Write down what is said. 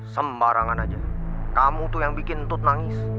sembarangan aja kamu tuh yang bikin untuk nangis